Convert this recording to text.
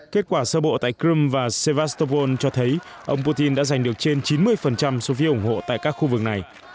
kết quả sơ bộ tại crimea và sevastopol cho thấy ông putin đã giành được trên chín mươi số phiếu ủng hộ tại các khu vực này